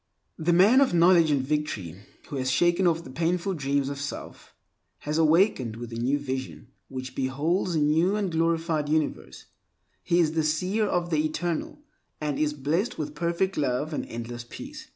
The man of knowledge and victory, who has shaken off the painful dreams of self, has awakened with a new vision which beholds a new and glorified universe, He is the seer of the Eternal, and is blessed with perfect love and endless peace.